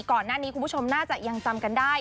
ก่อนหน้านี้คุณผู้ชมน่าจะยังจำกันได้